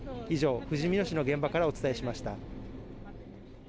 以上、ふじみ野市の現場からお伝えしました。